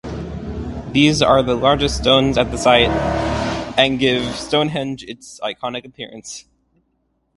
These are the largest stones at the site and give Stonehenge its iconic appearance.